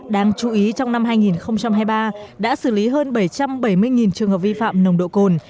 đáng chú ý trong năm hai nghìn hai mươi ba đã xử lý hơn bảy trăm bảy mươi trường hợp vi phạm nồng độ cồn